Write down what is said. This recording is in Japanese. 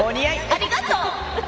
ありがとう！